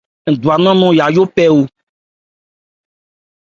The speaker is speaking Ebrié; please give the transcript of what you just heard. Ndwa nnán nɔn Yayó phɛ o.